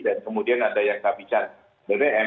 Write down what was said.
dan kemudian ada yang tak bisa bbm